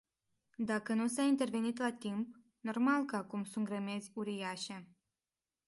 Dacă nu s-a intervenit la timp, normal că acum sunt grămezi uriașe.